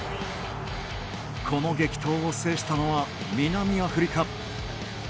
この激闘を制したのは南アフリカ。